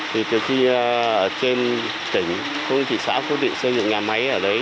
thì từ khi ở trên tỉnh khu thị xã phố định xây dựng nhà máy ở đấy